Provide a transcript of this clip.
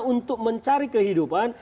untuk mencari kehidupan